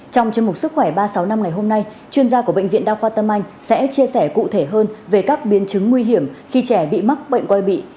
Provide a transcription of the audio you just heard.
trong chương mục sức khỏe ba trăm sáu mươi năm ngày hôm nay chuyên gia của bệnh viện đa khoa tâm anh sẽ chia sẻ cụ thể hơn về các biến chứng nguy hiểm khi trẻ bị mắc bệnh quay bị